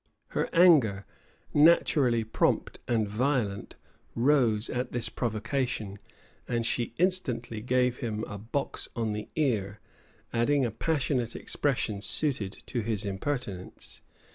Her anger, naturally prompt and violent, rose at this provocation; and she instantly gave him a box on the ear, adding a passionate expression suited to his impertinence.